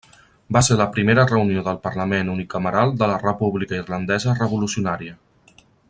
Va ser la primera reunió del parlament unicameral de la República Irlandesa revolucionària.